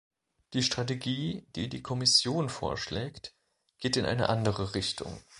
Die Strategie, die die Kommission vorschlägt, geht in eine andere Richtung.